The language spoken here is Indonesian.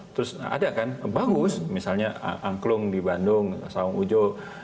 terus ada kan bagus misalnya angklung di bandung sawang ujo